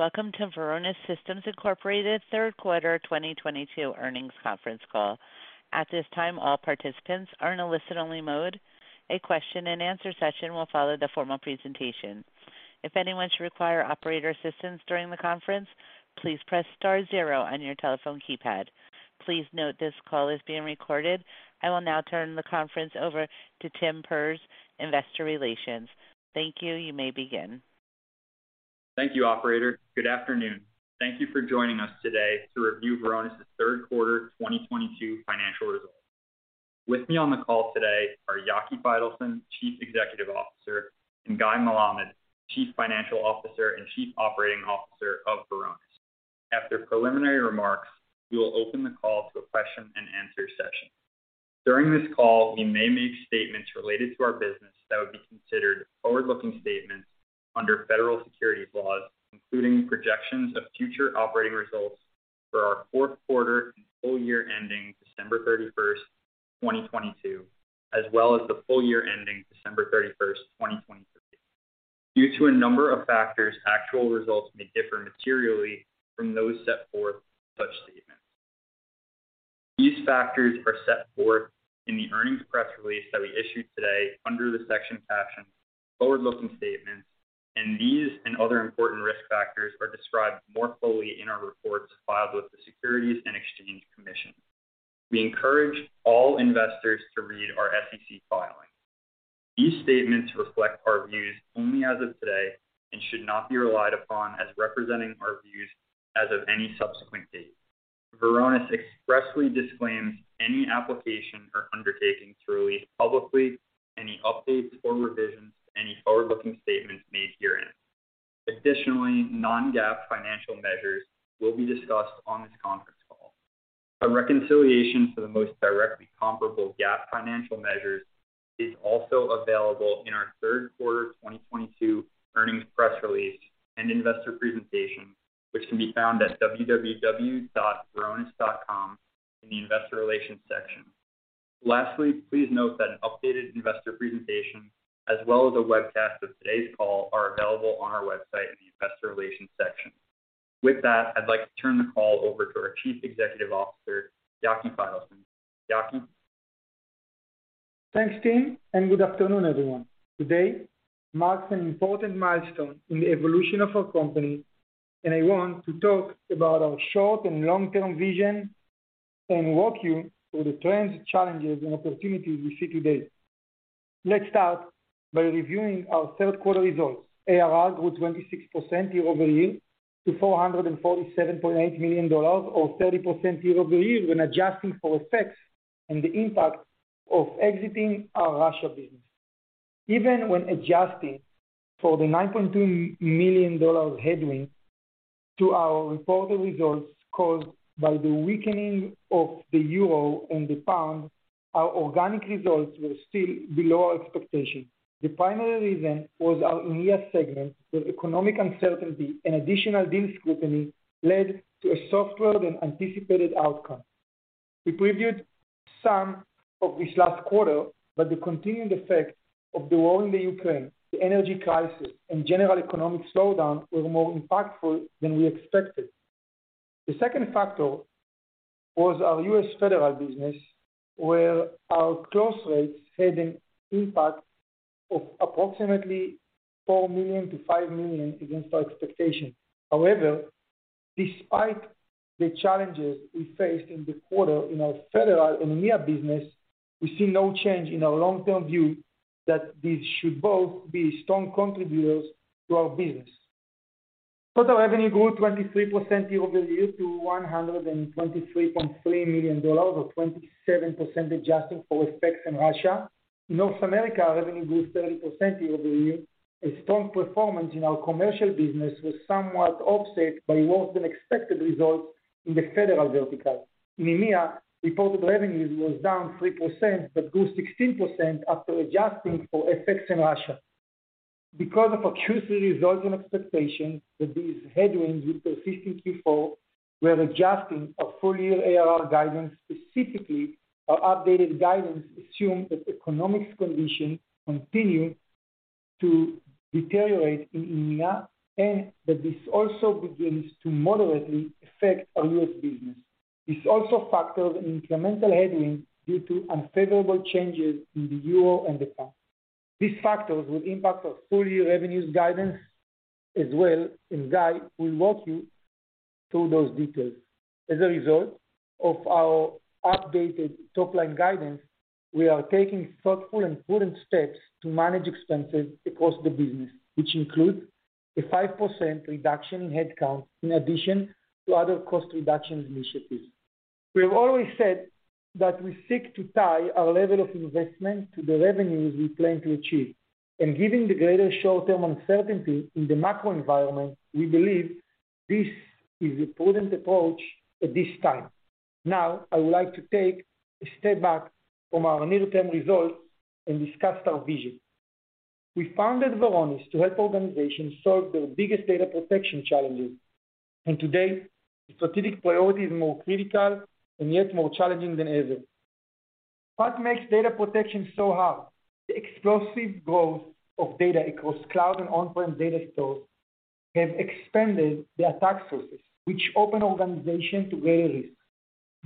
Welcome to Varonis Systems, Inc. third quarter 2022 Earnings Conference Call. At this time, all participants are in a listen-only mode. A question-and-answer session will follow the formal presentation. If anyone should require operator assistance during the conference, please press star zero on your telephone keypad. Please note this call is being recorded. I will now turn the conference over to Tim Perz, Investor Relations. Thank you. You may begin. Thank you, operator. Good afternoon. Thank you for joining us today to review Varonis' third quarter 2022 financial results. With me on the call today are Yaki Faitelson, Chief Executive Officer, and Guy Melamed, Chief Financial Officer and Chief Operating Officer of Varonis. After preliminary remarks, we will open the call to a question-and-answer session. During this call, we may make statements related to our business that would be considered forward-looking statements under federal securities laws, including projections of future operating results for our fourth quarter and full year ending December 31, 2022, as well as the full year ending December 31, 2023. Due to a number of factors, actual results may differ materially from those set forth in such statements. These factors are set forth in the earnings press release that we issued today under the section captioned Forward-Looking Statements, and these and other important risk factors are described more fully in our reports filed with the Securities and Exchange Commission. We encourage all investors to read our SEC filings. These statements reflect our views only as of today and should not be relied upon as representing our views as of any subsequent date. Varonis expressly disclaims any application or undertaking to release publicly any updates or revisions to any forward-looking statements made herein. Additionally, non-GAAP financial measures will be discussed on this conference call. A reconciliation for the most directly comparable GAAP financial measures is also available in our third quarter 2022 earnings press release and investor presentation, which can be found at www.varonis.com in the investor relations section. Lastly, please note that an updated investor presentation as well as a webcast of today's call are available on our website in the investor relations section. With that, I'd like to turn the call over to our Chief Executive Officer, Yaki Faitelson. Yaki? Thanks, Tim, and good afternoon, everyone. Today marks an important milestone in the evolution of our company, and I want to talk about our short and long-term vision and walk you through the trends, challenges, and opportunities we see today. Let's start by reviewing our third quarter results. ARR grew 26% year-over-year to $447.8 million or 30% year-over-year when adjusting for effects and the impact of exiting our Russia business. Even when adjusting for the $9.2 million headwind to our reported results caused by the weakening of the euro and the pound, our organic results were still below our expectations. The primary reason was our EMEA segment, where economic uncertainty and additional deal scrutiny led to a softer than anticipated outcome. We previewed some of this last quarter, but the continued effect of the war in the Ukraine, the energy crisis, and general economic slowdown were more impactful than we expected. The second factor was our U.S. federal business, where our close rates had an impact of approximately $4 million-$5 million against our expectations. However, despite the challenges we faced in the quarter in our federal and EMEA business, we see no change in our long-term view that these should both be strong contributors to our business. Total revenue grew 23% year-over-year to $123.3 million, or 27% adjusting for effects in Russia. North America revenue grew 30% year-over-year. A strong performance in our commercial business was somewhat offset by worse than expected results in the federal vertical. In EMEA, reported revenues was down 3% but grew 16% after adjusting for effects in Russia. Because of a curiously resulting expectation that these headwinds would persist into Q4, we're adjusting our full-year ARR guidance. Specifically, our updated guidance assumes that economic conditions continue to deteriorate in EMEA, and that this also begins to moderately affect our U.S. business. This also factors in incremental headwind due to unfavorable changes in the euro and the pound. These factors will impact our full-year revenues guidance as well, and Guy will walk you through those details. As a result of our updated top-line guidance, we are taking thoughtful and prudent steps to manage expenses across the business, which include a 5% reduction in headcount in addition to other cost reduction initiatives. We have always said that we seek to tie our level of investment to the revenues we plan to achieve. Given the greater short-term uncertainty in the macro environment, we believe this is a prudent approach at this time. Now, I would like to take a step back from our near-term results and discuss our vision. We founded Varonis to help organizations solve their biggest data protection challenges. Today, the strategic priority is more critical and yet more challenging than ever. What makes data protection so hard? The explosive growth of data across cloud and on-prem data stores have expanded the attack surfaces, which open organizations to greater risk.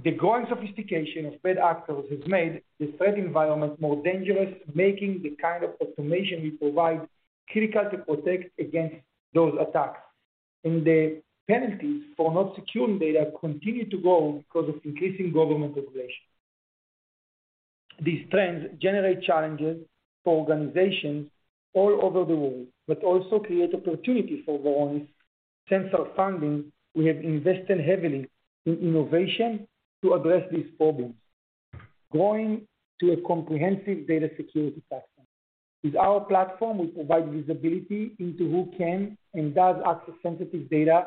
The growing sophistication of bad actors has made the threat environment more dangerous, making the kind of automation we provide critical to protect against those attacks. The penalties for not securing data continue to grow because of increasing government regulation. These trends generate challenges for organizations all over the world, but also create opportunities for Varonis. Since our founding, we have invested heavily in innovation to address these problems, growing to a comprehensive data security platform. With our platform, we provide visibility into who can and does access sensitive data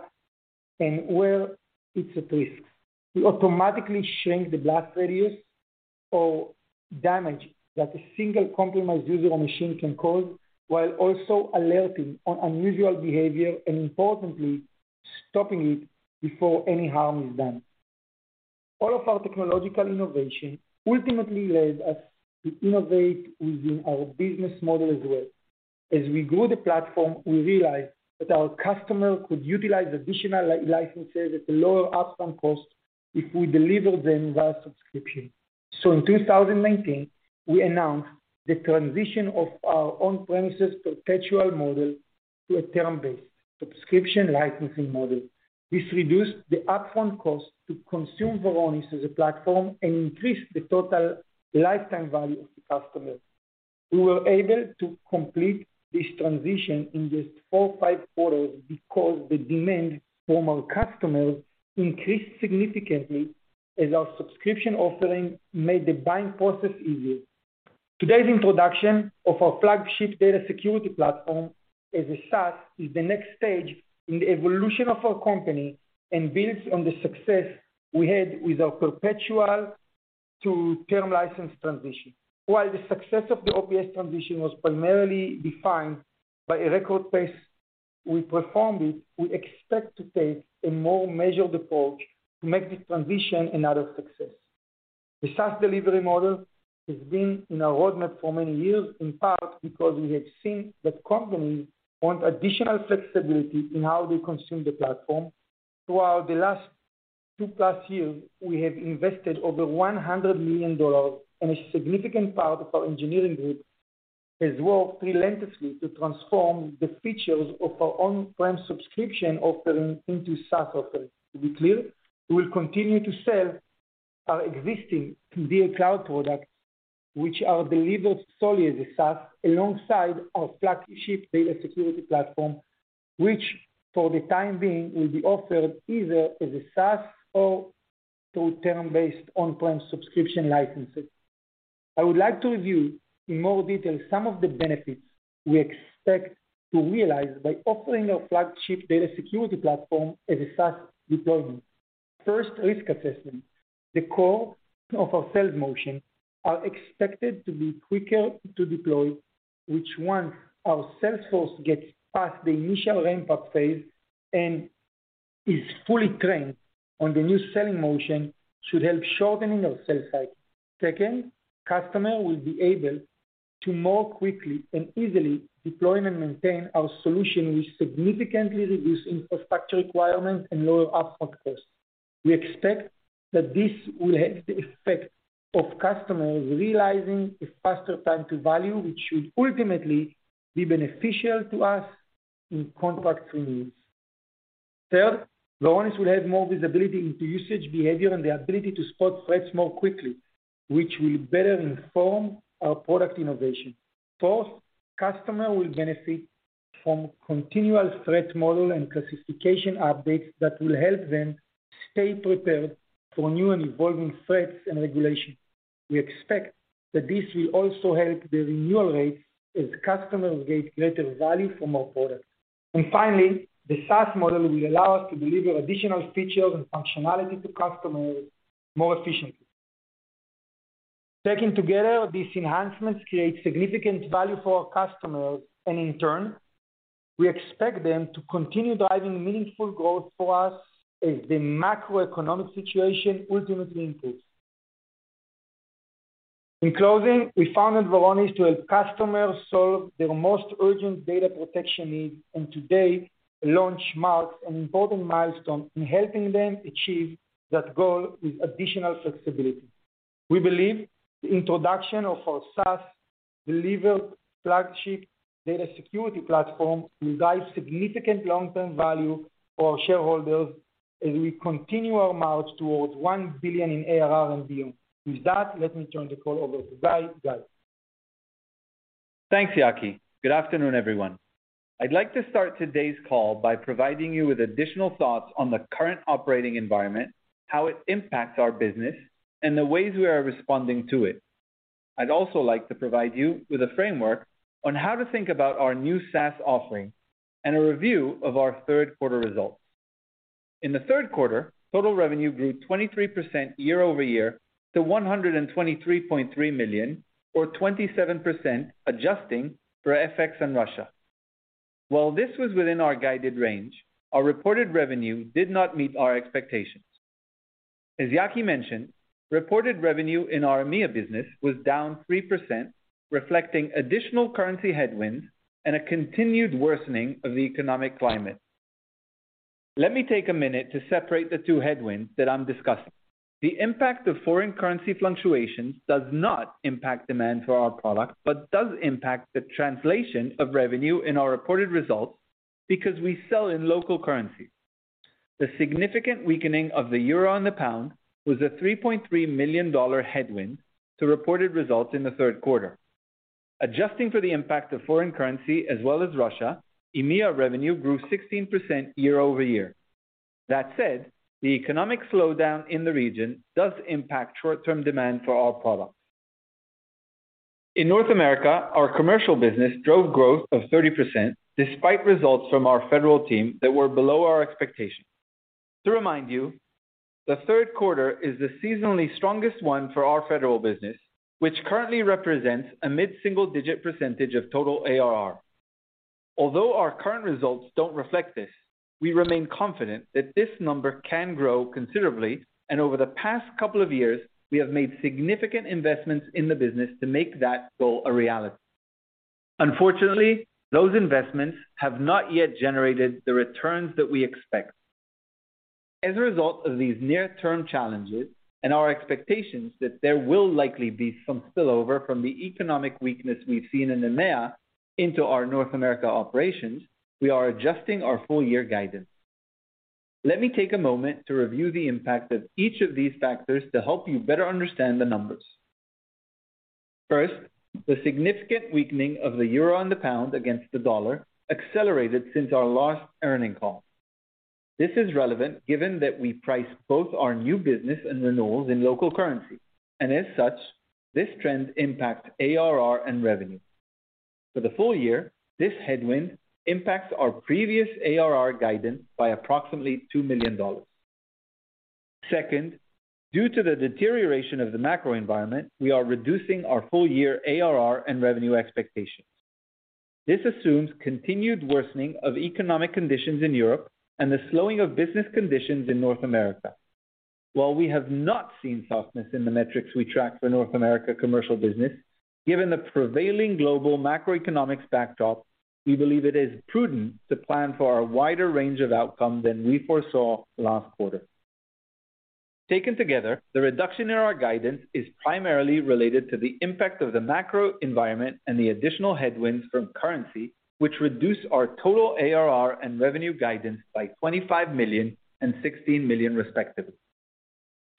and where it's at risk. We automatically shrink the blast radius or damage that a single compromised user or machine can cause, while also alerting on unusual behavior and importantly, stopping it before any harm is done. All of our technological innovation ultimately led us to innovate within our business model as well. As we grew the platform, we realized that our customers could utilize additional licenses at a lower upfront cost if we delivered them via subscription. In 2019, we announced the transition of our on-premises perpetual model to a term-based subscription licensing model. This reduced the upfront cost to consume Varonis as a platform and increased the total lifetime value of the customer. We were able to complete this transition in just four to five quarters because the demand from our customers increased significantly as our subscription offering made the buying process easier. Today's introduction of our flagship data security platform as a SaaS is the next stage in the evolution of our company and builds on the success we had with our perpetual to term license transition. While the success of the OPS transition was primarily defined by a record pace we performed with, we expect to take a more measured approach to make this transition another success. The SaaS delivery model has been in our roadmap for many years, in part because we have seen that companies want additional flexibility in how they consume the platform. Throughout the last two-plus years, we have invested over $100 million, and a significant part of our engineering group has worked relentlessly to transform the features of our on-prem subscription offering into SaaS offering. To be clear, we will continue to sell our existing VCL product, which are delivered solely as a SaaS, alongside our flagship Data Security Platform, which for the time being, will be offered either as a SaaS or through term-based on-prem subscription licenses. I would like to review in more detail some of the benefits we expect to realize by offering our flagship Data Security Platform as a SaaS deployment. First, risk assessment. The core of our sales motion are expected to be quicker to deploy, which once our sales force gets past the initial ramp-up phase and is fully trained on the new selling motion, should help shortening our sales cycle. Second, customers will be able to more quickly and easily deploy and maintain our solution, which significantly reduce infrastructure requirements and lower upfront costs. We expect that this will have the effect of customers realizing a faster time to value, which should ultimately be beneficial to us in contract renewals. Third, Varonis will have more visibility into usage behavior and the ability to spot threats more quickly, which will better inform our product innovation. Fourth, customers will benefit from continual threat model and classification updates that will help them stay prepared for new and evolving threats and regulation. We expect that this will also help the renewal rate as customers get greater value from our products. Finally, the SaaS model will allow us to deliver additional features and functionality to customers more efficiently. Taken together, these enhancements create significant value for our customers, and in turn, we expect them to continue driving meaningful growth for us as the macroeconomic situation ultimately improves. In closing, we founded Varonis to help customers solve their most urgent data protection needs, and today's launch marks an important milestone in helping them achieve that goal with additional flexibility. We believe the introduction of our SaaS-delivered flagship Data Security Platform will drive significant long-term value for our shareholders as we continue our march towards $1 billion in ARR and beyond. With that, let me turn the call over to Guy. Guy? Thanks, Yaki. Good afternoon, everyone. I'd like to start today's call by providing you with additional thoughts on the current operating environment, how it impacts our business, and the ways we are responding to it. I'd also like to provide you with a framework on how to think about our new SaaS offering and a review of our third quarter results. In the third quarter, total revenue grew 23% year-over-year to $123.3 million or 27% adjusting for FX and Russia. While this was within our guided range, our reported revenue did not meet our expectations. As Yaki mentioned, reported revenue in our EMEA business was down 3%, reflecting additional currency headwinds and a continued worsening of the economic climate. Let me take a minute to separate the two headwinds that I'm discussing. The impact of foreign currency fluctuations does not impact demand for our products, but does impact the translation of revenue in our reported results because we sell in local currency. The significant weakening of the euro and the pound was a $3.3 million headwind to reported results in the third quarter. Adjusting for the impact of foreign currency as well as Russia, EMEA revenue grew 16% year-over-year. That said, the economic slowdown in the region does impact short-term demand for our products. In North America, our commercial business drove growth of 30% despite results from our federal team that were below our expectations. To remind you, the third quarter is the seasonally strongest one for our federal business, which currently represents a mid-single-digit percentage of total ARR. Although our current results don't reflect this, we remain confident that this number can grow considerably, and over the past couple of years, we have made significant investments in the business to make that goal a reality. Unfortunately, those investments have not yet generated the returns that we expect. As a result of these near-term challenges and our expectations that there will likely be some spillover from the economic weakness we've seen in EMEA into our North America operations, we are adjusting our full year guidance. Let me take a moment to review the impact of each of these factors to help you better understand the numbers. First, the significant weakening of the euro and the pound against the dollar accelerated since our last earnings call. This is relevant given that we price both our new business and renewals in local currency, and as such, this trend impacts ARR and revenue. For the full year, this headwind impacts our previous ARR guidance by approximately $2 million. Second, due to the deterioration of the macro environment, we are reducing our full year ARR and revenue expectations. This assumes continued worsening of economic conditions in Europe and the slowing of business conditions in North America. While we have not seen softness in the metrics we track for North America commercial business, given the prevailing global macroeconomics backdrop, we believe it is prudent to plan for a wider range of outcome than we foresaw last quarter. Taken together, the reduction in our guidance is primarily related to the impact of the macro environment and the additional headwinds from currency, which reduce our total ARR and revenue guidance by $25 million and $16 million, respectively.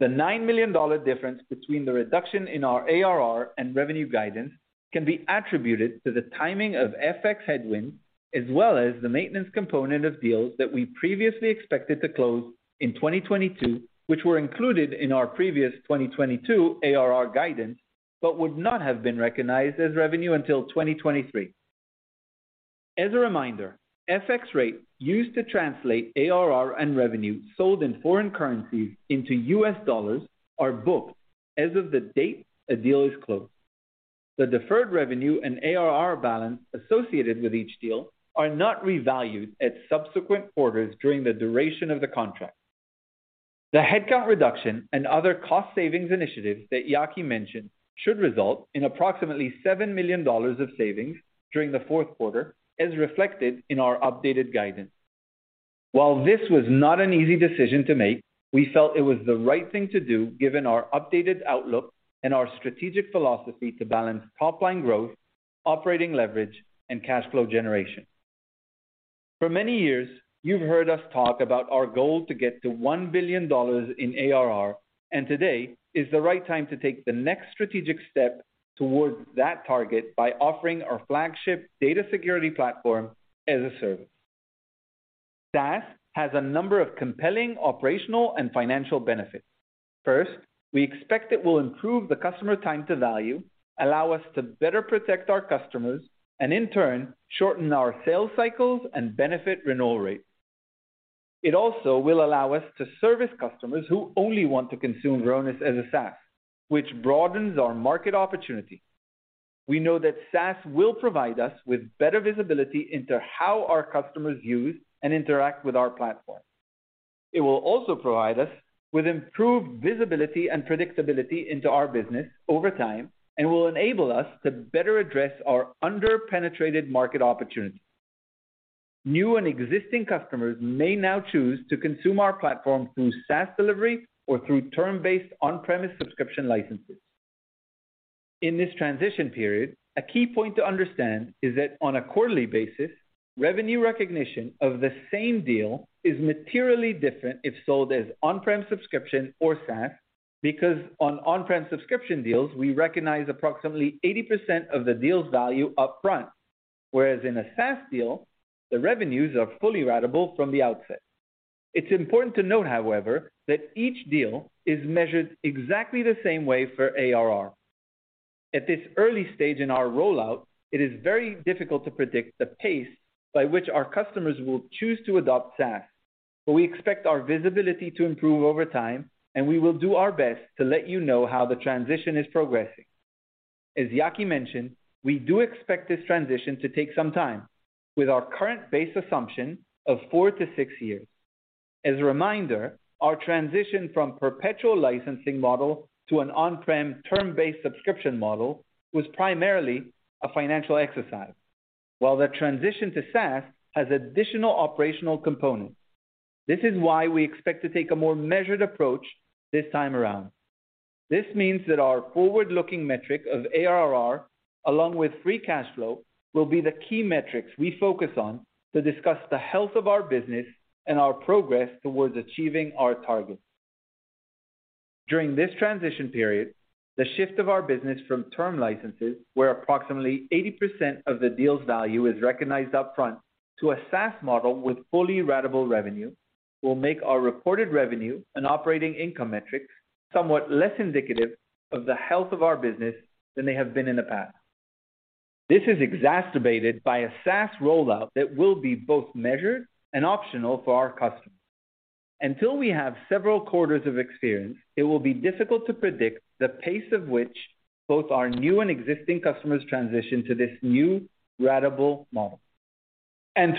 The $9 million difference between the reduction in our ARR and revenue guidance can be attributed to the timing of FX headwind, as well as the maintenance component of deals that we previously expected to close in 2022, which were included in our previous 2022 ARR guidance but would not have been recognized as revenue until 2023. As a reminder, FX rate used to translate ARR and revenue sold in foreign currencies into U.S. dollars are booked as of the date a deal is closed. The deferred revenue and ARR balance associated with each deal are not revalued at subsequent quarters during the duration of the contract. The headcount reduction and other cost savings initiatives that Yaki mentioned should result in approximately $7 million of savings during the fourth quarter, as reflected in our updated guidance. While this was not an easy decision to make, we felt it was the right thing to do given our updated outlook and our strategic philosophy to balance top-line growth, operating leverage, and cash flow generation. For many years, you've heard us talk about our goal to get to $1 billion in ARR, and today is the right time to take the next strategic step towards that target by offering our flagship Data Security Platform as a service. SaaS has a number of compelling operational and financial benefits. First, we expect it will improve the customer time to value, allow us to better protect our customers, and in turn, shorten our sales cycles and benefit renewal rates. It also will allow us to service customers who only want to consume Varonis as a SaaS, which broadens our market opportunity. We know that SaaS will provide us with better visibility into how our customers use and interact with our platform. It will also provide us with improved visibility and predictability into our business over time and will enable us to better address our under-penetrated market opportunities. New and existing customers may now choose to consume our platform through SaaS delivery or through term-based on-prem subscription licenses. In this transition period, a key point to understand is that on a quarterly basis, revenue recognition of the same deal is materially different if sold as on-prem subscription or SaaS, because on on-prem subscription deals, we recognize approximately 80% of the deal's value upfront. Whereas in a SaaS deal, the revenues are fully ratable from the outset. It's important to note, however, that each deal is measured exactly the same way for ARR. At this early stage in our rollout, it is very difficult to predict the pace by which our customers will choose to adopt SaaS. We expect our visibility to improve over time, and we will do our best to let you know how the transition is progressing. As Yaki mentioned, we do expect this transition to take some time with our current base assumption of four to six years. As a reminder, our transition from perpetual licensing model to an on-prem term-based subscription model was primarily a financial exercise, while the transition to SaaS has additional operational components. This is why we expect to take a more measured approach this time around. This means that our forward-looking metric of ARR along with free cash flow will be the key metrics we focus on to discuss the health of our business and our progress towards achieving our targets. During this transition period, the shift of our business from term licenses, where approximately 80% of the deal's value is recognized upfront to a SaaS model with fully ratable revenue, will make our reported revenue and operating income metrics somewhat less indicative of the health of our business than they have been in the past. This is exacerbated by a SaaS rollout that will be both measured and optional for our customers. Until we have several quarters of experience, it will be difficult to predict the pace at which both our new and existing customers transition to this new ratable model.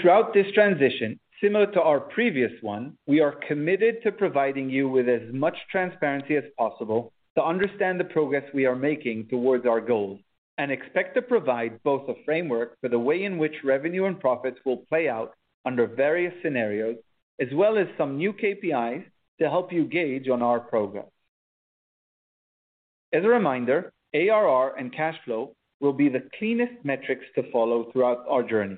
Throughout this transition, similar to our previous one, we are committed to providing you with as much transparency as possible to understand the progress we are making towards our goals and expect to provide both a framework for the way in which revenue and profits will play out under various scenarios, as well as some new KPIs to help you gauge on our progress. As a reminder, ARR and cash flow will be the cleanest metrics to follow throughout our journey.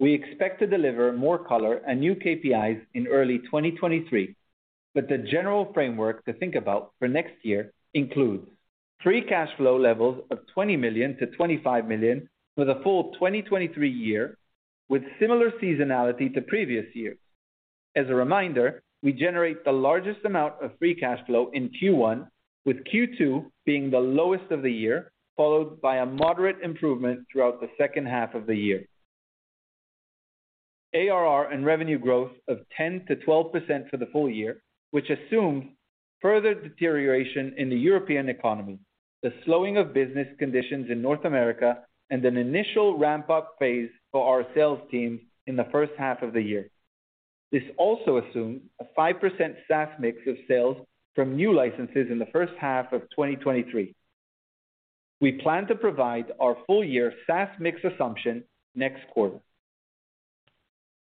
We expect to deliver more color and new KPIs in early 2023, but the general framework to think about for next year includes free cash flow levels of $20 million-$25 million for the full 2023 year with similar seasonality to previous years. As a reminder, we generate the largest amount of free cash flow in Q1, with Q2 being the lowest of the year, followed by a moderate improvement throughout the second half of the year. ARR and revenue growth of 10%-12% for the full year, which assumes further deterioration in the European economy, the slowing of business conditions in North America, and an initial ramp-up phase for our sales team in the first half of the year. This also assumes a 5% SaaS mix of sales from new licenses in the first half of 2023. We plan to provide our full-year SaaS mix assumption next quarter.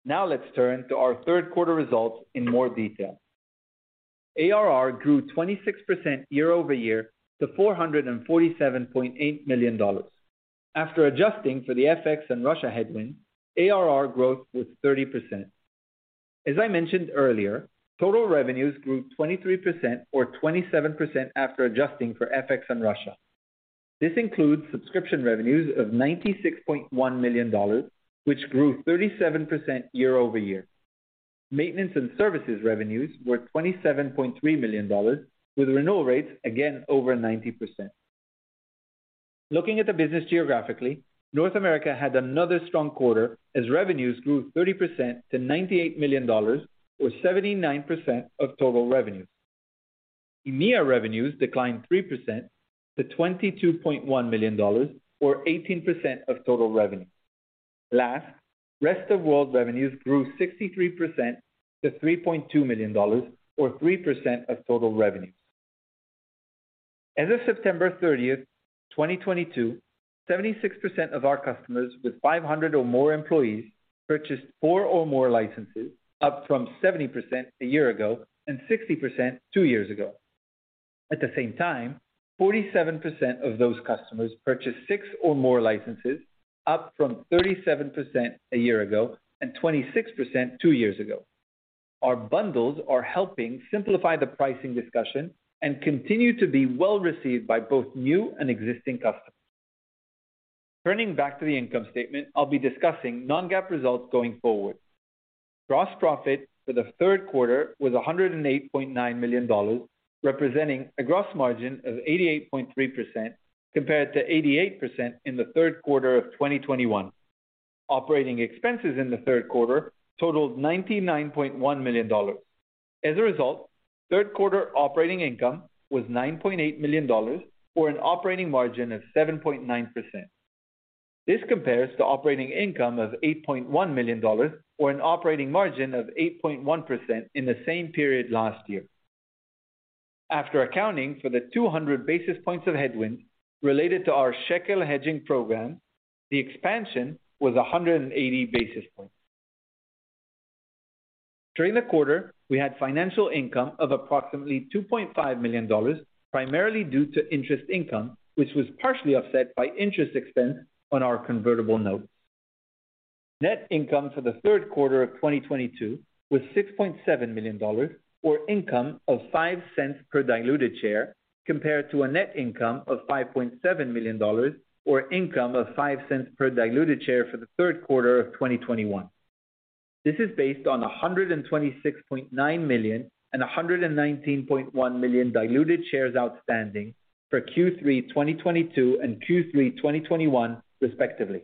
Now let's turn to our third quarter results in more detail. ARR grew 26% year-over-year to $447.8 million. After adjusting for the FX and Russia headwind, ARR growth was 30%. As I mentioned earlier, total revenues grew 23% or 27% after adjusting for FX and Russia. This includes subscription revenues of $96.1 million, which grew 37% year-over-year. Maintenance and services revenues were $27.3 million with renewal rates again over 90%. Looking at the business geographically, North America had another strong quarter as revenues grew 30% to $98 million or 79% of total revenues. EMEA revenues declined 3% to $22.1 million or 18% of total revenue. Last, rest of world revenues grew 63% to $3.2 million or 3% of total revenue. As of September 30, 2022, 76% of our customers with 500 or more employees purchased four or more licenses, up from 70% a year ago and 60% two years ago. At the same time, 47% of those customers purchased six or more licenses, up from 37% a year ago and 26% two years ago. Our bundles are helping simplify the pricing discussion and continue to be well-received by both new and existing customers. Turning back to the income statement, I'll be discussing non-GAAP results going forward. Gross profit for the third quarter was $108.9 million, representing a gross margin of 88.3% compared to 88% in the third quarter of 2021. Operating expenses in the third quarter totaled $99.1 million. As a result, third quarter operating income was $9.8 million or an operating margin of 7.9%. This compares to operating income of $8.1 million or an operating margin of 8.1% in the same period last year. After accounting for the 200 basis points of headwind related to our shekel hedging program, the expansion was 180 basis points. During the quarter, we had financial income of approximately $2.5 million, primarily due to interest income, which was partially offset by interest expense on our convertible note. Net income for the third quarter of 2022 was $6.7 million, or income of $0.05 per diluted share, compared to a net income of $5.7 million or income of $0.05 per diluted share for the third quarter of 2021. This is based on 126.9 million and 119.1 million diluted shares outstanding for Q3 2022 and Q3 2021 respectively.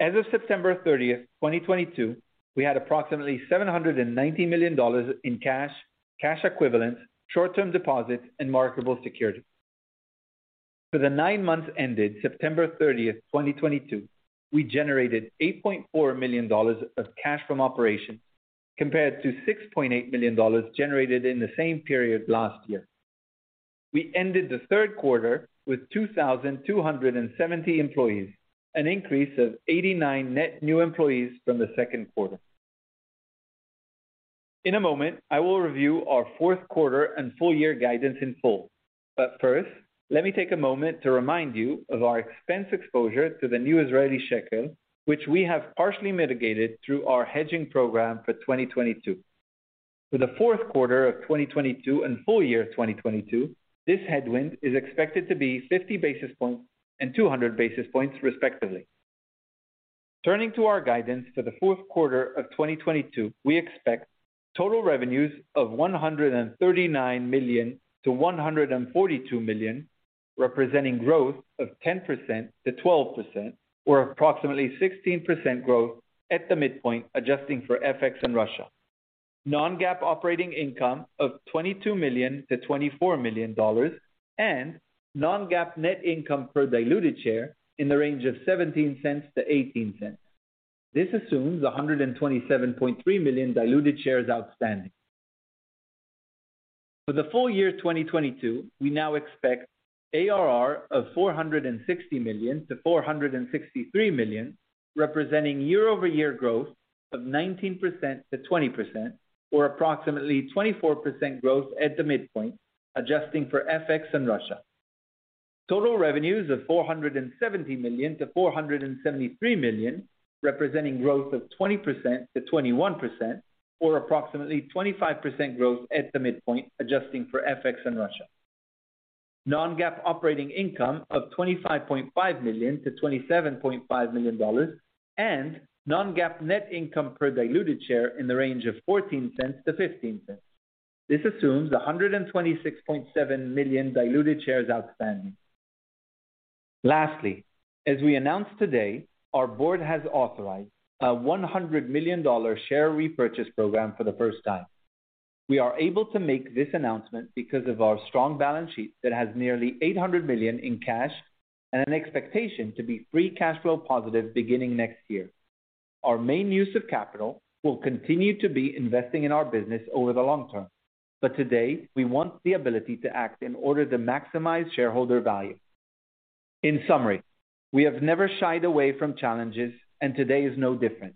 As of September 30, 2022, we had approximately $790 million in cash equivalents, short-term deposits, and marketable securities. For the nine months ended September 30, 2022, we generated $8.4 million of cash from operations compared to $6.8 million generated in the same period last year. We ended the third quarter with 2,270 employees, an increase of 89 net new employees from the second quarter. In a moment, I will review our fourth quarter and full year guidance in full. First, let me take a moment to remind you of our expense exposure to the new Israeli shekel, which we have partially mitigated through our hedging program for 2022. For the fourth quarter of 2022 and full year 2022, this headwind is expected to be 50 basis points and 200 basis points, respectively. Turning to our guidance for the fourth quarter of 2022, we expect total revenues of $139 million-$142 million, representing growth of 10%-12% or approximately 16% growth at the midpoint, adjusting for FX and Russia. Non-GAAP operating income of $22 million-$24 million and non-GAAP net income per diluted share in the range of $0.17-$0.18. This assumes 127.3 million diluted shares outstanding. For the full year 2022, we now expect ARR of $460 million-$463 million, representing year-over-year growth of 19%-20% or approximately 24% growth at the midpoint, adjusting for FX and Russia. Total revenues of $470 million-$473 million, representing growth of 20%-21% or approximately 25% growth at the midpoint, adjusting for FX and Russia. Non-GAAP operating income of $25.5 million-$27.5 million and non-GAAP net income per diluted share in the range of $0.14-$0.15. This assumes 126.7 million diluted shares outstanding. Lastly, as we announced today, our board has authorized a $100 million share repurchase program for the first time. We are able to make this announcement because of our strong balance sheet that has nearly $800 million in cash and an expectation to be free cash flow positive beginning next year. Our main use of capital will continue to be investing in our business over the long-term, but today we want the ability to act in order to maximize shareholder value. In summary, we have never shied away from challenges, and today is no different.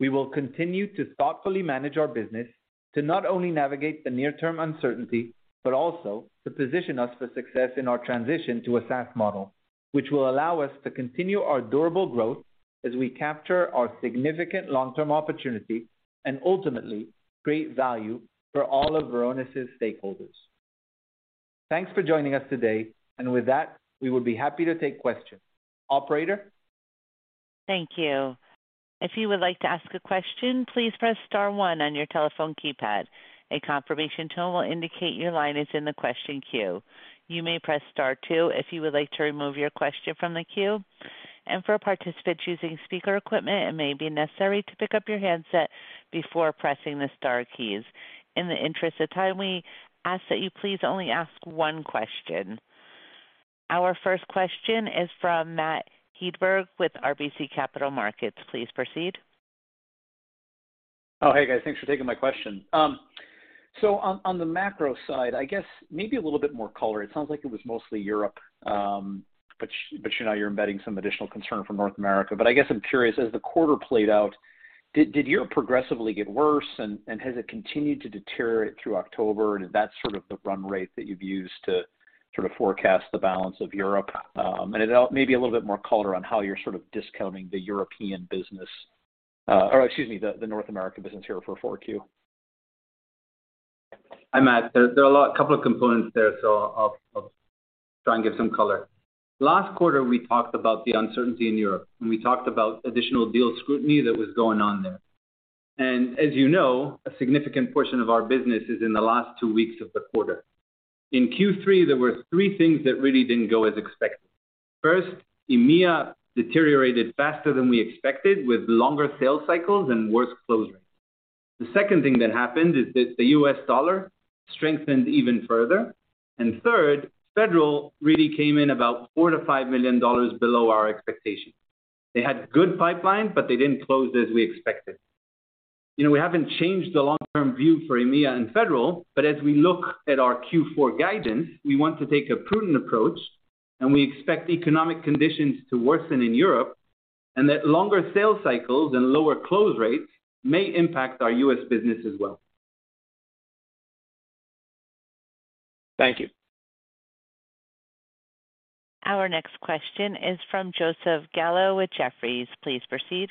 We will continue to thoughtfully manage our business to not only navigate the near-term uncertainty, but also to position us for success in our transition to a SaaS model, which will allow us to continue our durable growth as we capture our significant long-term opportunity and ultimately create value for all of Varonis' stakeholders. Thanks for joining us today. With that, we would be happy to take questions. Operator? Thank you. If you would like to ask a question, please press star one on your telephone keypad. A confirmation tone will indicate your line is in the question queue. You may press Star two if you would like to remove your question from the queue. For a participant using speaker equipment, it may be necessary to pick up your handset before pressing the star keys. In the interest of time, we ask that you please only ask one question. Our first question is from Matthew Hedberg with RBC Capital Markets. Please proceed. Oh, hey guys, thanks for taking my question. On the macro side, I guess maybe a little bit more color. It sounds like it was mostly Europe, but you know, you're embedding some additional concern from North America. I guess I'm curious, as the quarter played out, did Europe progressively get worse and has it continued to deteriorate through October? Is that sort of the run rate that you've used to sort of forecast the balance of Europe? Then maybe a little bit more color on how you're sort of discounting the European business. Or excuse me, the North American business here for 4Q. Hi, Matt. There are a couple of components there, so I'll try and give some color. Last quarter, we talked about the uncertainty in Europe, and we talked about additional deal scrutiny that was going on there. As you know, a significant portion of our business is in the last two weeks of the quarter. In Q3, there were three things that really didn't go as expected. First, EMEA deteriorated faster than we expected with longer sales cycles and worse close rates. The second thing that happened is that the U.S. dollar strengthened even further. Third, federal really came in about $4 million-$5 million below our expectations. They had good pipeline, but they didn't close as we expected. You know, we haven't changed the long-term view for EMEA and federal, but as we look at our Q4 guidance, we want to take a prudent approach and we expect economic conditions to worsen in Europe and that longer sales cycles and lower close rates may impact our U.S. business as well. Thank you. Our next question is from Joseph Gallo with Jefferies. Please proceed.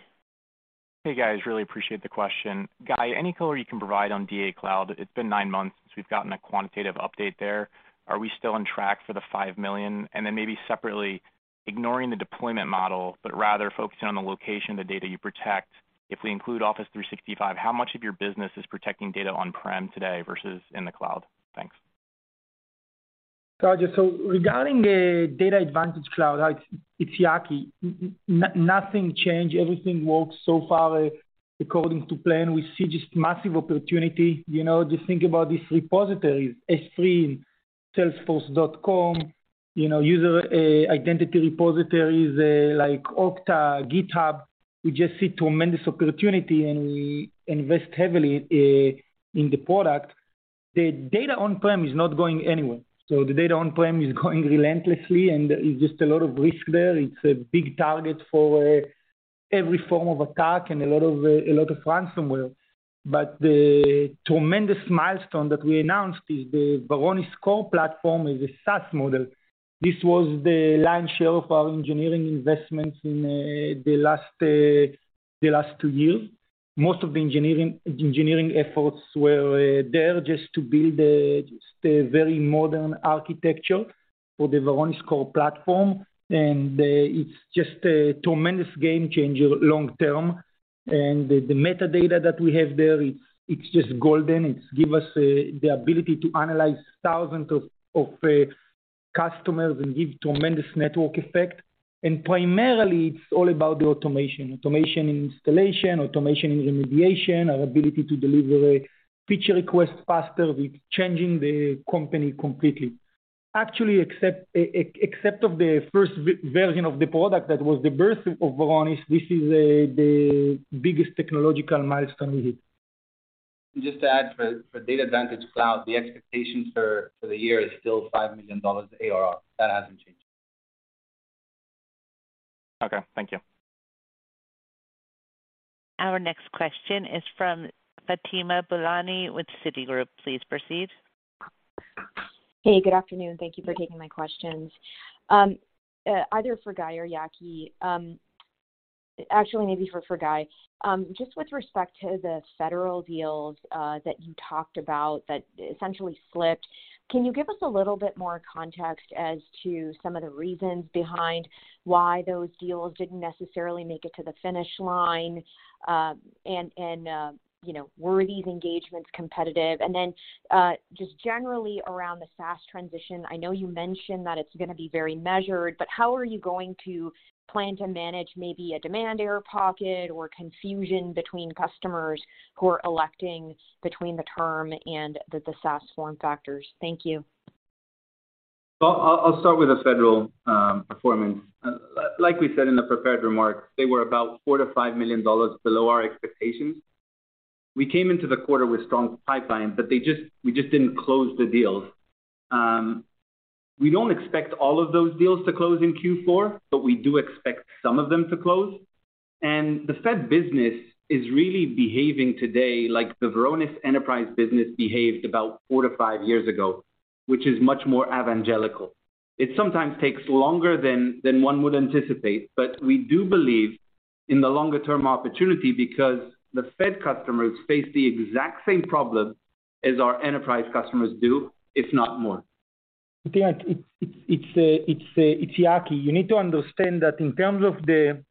Hey, guys. Really appreciate the question. Guy, any color you can provide on DatAdvantage Cloud? It's been nine months since we've gotten a quantitative update there. Are we still on track for the $5 million? Maybe separately, ignoring the deployment model, but rather focusing on the location of the data you protect, if we include Office 365, how much of your business is protecting data on-prem today versus in the cloud? Thanks. Got you. Regarding DatAdvantage Cloud, it's Yaki. Nothing changed. Everything works so far according to plan. We see just massive opportunity. You know, just think about these repositories, S3, Salesforce, you know, user identity repositories like Okta, GitHub. We just see tremendous opportunity, and we invest heavily in the product. The data on-prem is not going anywhere. The data on-prem is going relentlessly, and it's just a lot of risk there. It's a big target for every form of attack and a lot of ransomware. The tremendous milestone that we announced is the Varonis Core platform as a SaaS model. This was the lion's share of our engineering investments in the last two years. Most of the engineering efforts were there just to build a very modern architecture for the Varonis Core platform. It's just a tremendous game changer long term. The metadata that we have there, it's just golden. It gives us the ability to analyze thousands of customers and give tremendous network effect. Primarily, it's all about the automation. Automation in installation, automation in remediation, our ability to deliver feature requests faster. We're changing the company completely. Actually, except for the first version of the product that was the birth of Varonis, this is the biggest technological milestone we hit. Just to add, for DatAdvantage Cloud, the expectations for the year is still $5 million ARR. That hasn't changed. Okay, thank you. Our next question is from Fatima Boolani with Citigroup. Please proceed. Hey, good afternoon. Thank you for taking my questions. Either for Guy or Yaki, actually, maybe for Guy. Just with respect to the federal deals that you talked about that essentially slipped, can you give us a little bit more context as to some of the reasons behind why those deals didn't necessarily make it to the finish line? You know, were these engagements competitive? Then, just generally around the SaaS transition, I know you mentioned that it's gonna be very measured, but how are you going to plan to manage maybe a demand air pocket or confusion between customers who are electing between the term and the SaaS form factors? Thank you. Well, I'll start with the federal performance. Like we said in the prepared remarks, they were about $4-$5 million below our expectations. We came into the quarter with strong pipeline, but we just didn't close the deals. We don't expect all of those deals to close in Q4, but we do expect some of them to close. The Fed business is really behaving today like the Varonis enterprise business behaved about four to five years ago, which is much more evangelical. It sometimes takes longer than one would anticipate, but we do believe in the longer-term opportunity because the Fed customers face the exact same problem as our enterprise customers do, if not more. Yeah. It's Yaki. You need to understand that in terms of the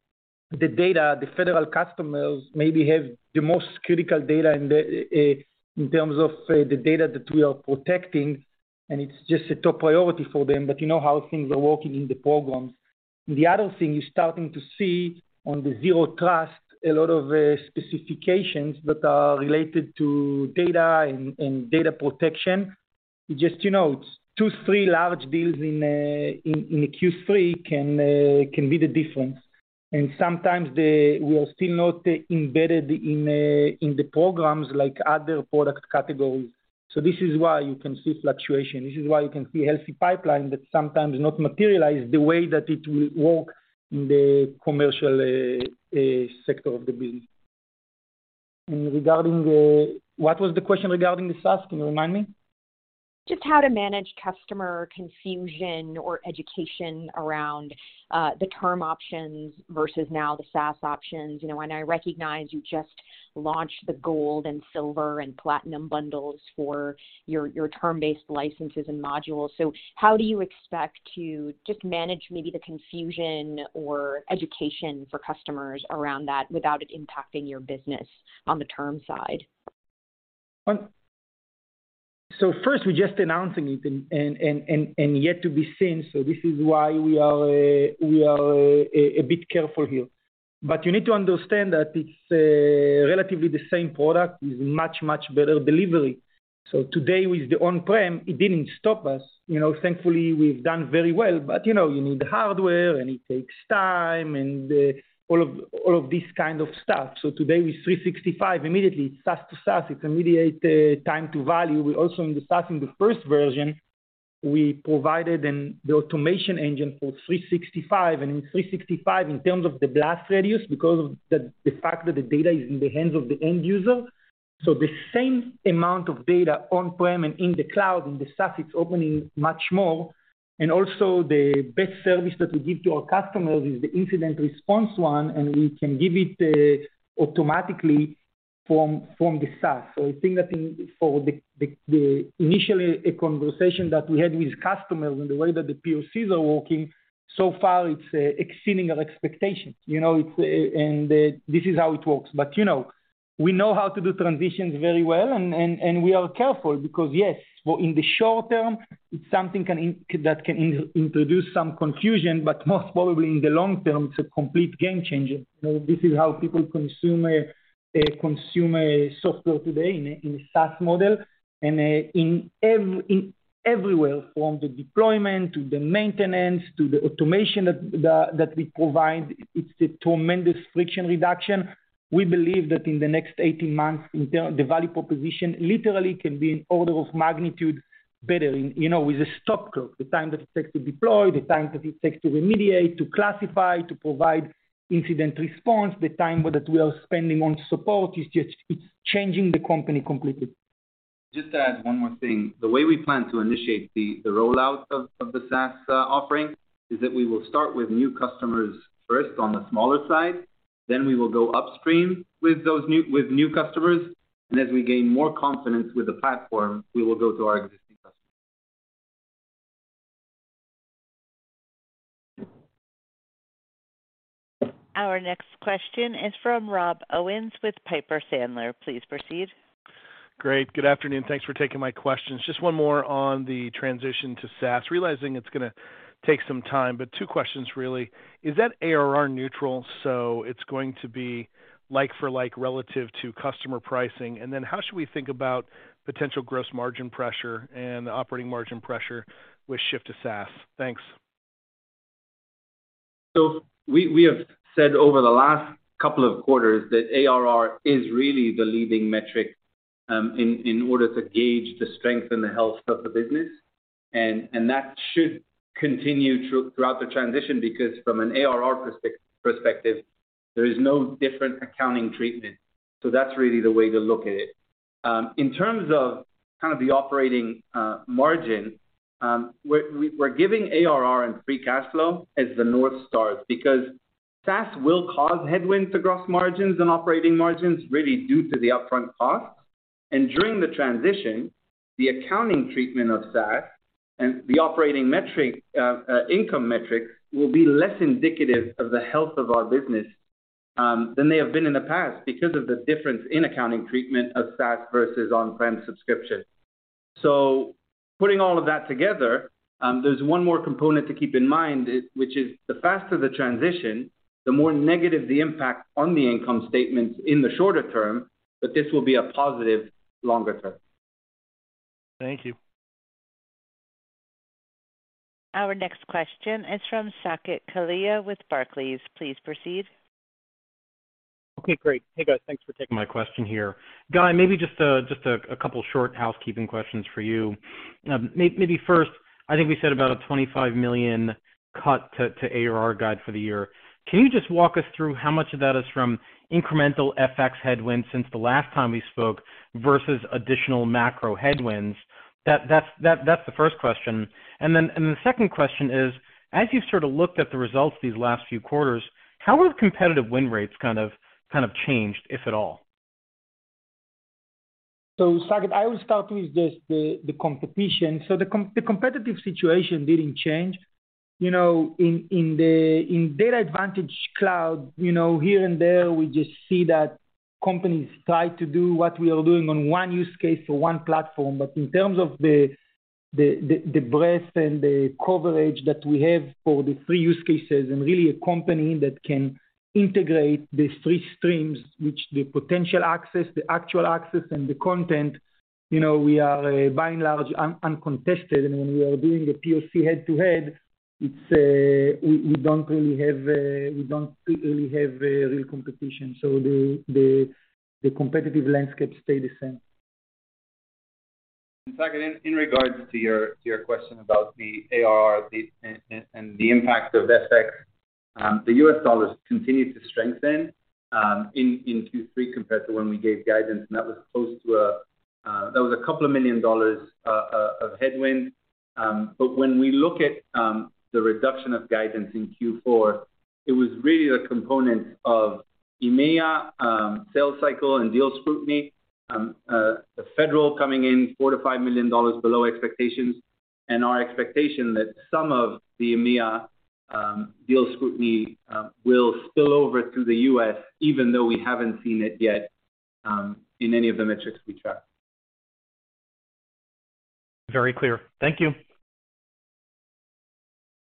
data, the federal customers maybe have the most critical data in terms of the data that we are protecting, and it's just a top priority for them. You know how things are working in the programs. The other thing you're starting to see on the Zero Trust, a lot of specifications that are related to data and data protection. Just you know, two, three large deals in Q3 can be the difference. Sometimes we are still not embedded in the programs like other product categories. This is why you can see fluctuation. This is why you can see healthy pipeline that sometimes not materialize the way that it will work in the commercial sector of the business. What was the question regarding the SaaS? Can you remind me? Just how to manage customer confusion or education around the term options versus now the SaaS options. You know, I recognize you just launched the gold and silver and platinum bundles for your term-based licenses and modules. How do you expect to just manage maybe the confusion or education for customers around that without it impacting your business on the term side? First, we're just announcing it and yet to be seen. This is why we are a bit careful here. You need to understand that it's relatively the same product, with much better delivery. Today with the on-prem, it didn't stop us. You know, thankfully, we've done very well, but you know, you need the hardware, and it takes time and all of this kind of stuff. Today with Microsoft 365, immediately it's SaaS to SaaS. It's immediate time to value. We also, in the SaaS, in the first version, we provided the automation engine for Microsoft 365. In Microsoft 365, in terms of the blast radius, because of the fact that the data is in the hands of the end user. The same amount of data on-prem and in the cloud, in the SaaS, it's opening much more. Also the best service that we give to our customers is the incident response one, and we can give it automatically from the SaaS. I think that for the initial conversation that we had with customers and the way that the POCs are working, so far it's exceeding our expectations. You know, this is how it works. You know, we know how to do transitions very well, and we are careful because, well, in the short-term, it's something that can introduce some confusion, but most probably in the long-term, it's a complete game changer. You know, this is how people consume software today in a SaaS model. In everywhere from the deployment to the maintenance to the automation that we provide, it's a tremendous friction reduction. We believe that in the next 18 months, in term, the value proposition literally can be an order of magnitude better in, you know, with a stop clock. The time that it takes to deploy, the time that it takes to remediate, to classify, to provide incident response, the time that we are spending on support is just. It's changing the company completely. Just to add one more thing. The way we plan to initiate the rollout of the SaaS offering is that we will start with new customers first on the smaller side. Then we will go upstream with those new customers. As we gain more confidence with the platform, we will go to our existing customers. Our next question is from Rob Owens with Piper Sandler. Please proceed. Great. Good afternoon. Thanks for taking my questions. Just one more on the transition to SaaS. Realizing it's gonna take some time, but two questions really. Is that ARR neutral, so it's going to be like for like relative to customer pricing? And then how should we think about potential gross margin pressure and operating margin pressure with shift to SaaS? Thanks. We have said over the last couple of quarters that ARR is really the leading metric in order to gauge the strength and the health of the business. That should continue throughout the transition because from an ARR perspective, there is no different accounting treatment. That's really the way to look at it. In terms of kind of the operating margin, we're giving ARR and free cash flow as the North Stars because SaaS will cause headwind to gross margins and operating margins really due to the upfront costs. During the transition, the accounting treatment of SaaS and the operating metric, income metric will be less indicative of the health of our business than they have been in the past because of the difference in accounting treatment of SaaS versus on-prem subscription. Putting all of that together, there's one more component to keep in mind, which is the faster the transition, the more negative the impact on the income statements in the shorter-term, but this will be a positive longer-term. Thank you. Our next question is from Saket Kalia with Barclays. Please proceed. Okay, great. Hey, guys. Thanks for taking my question here. Guy, maybe just a couple short housekeeping questions for you. Maybe first, I think we said about a $25 million cut to ARR guide for the year. Can you just walk us through how much of that is from incremental FX headwinds since the last time we spoke versus additional macro headwinds? That's the first question. The second question is, as you've sort of looked at the results these last few quarters, how have competitive win rates kind of changed, if at all? Saket, I will start with just the competition. The competitive situation didn't change. You know, in the DatAdvantage Cloud, you know, here and there, we just see that companies try to do what we are doing on one use case or one platform. But in terms of the breadth and the coverage that we have for the three use cases and really a company that can integrate these three streams, which the potential access, the actual access, and the content, you know, we are by and large uncontested. When we are doing a POC head-to-head, it's. We don't really have real competition. The competitive landscape stayed the same. Second, in regards to your question about the ARR and the impact of FX, the U.S. dollar continued to strengthen in Q3 compared to when we gave guidance, and that was a couple of million dollars of headwind. When we look at the reduction of guidance in Q4, it was really the component of EMEA sales cycle and deal scrutiny, the federal coming in $4 million-$5 million below expectations and our expectation that some of the EMEA deal scrutiny will spill over to the U.S., even though we haven't seen it yet in any of the metrics we track. Very clear. Thank you.